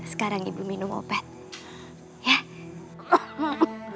sekarang ibu minum obat